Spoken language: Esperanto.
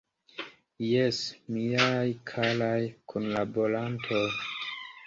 Jes, miaj karaj kunlaborantoj!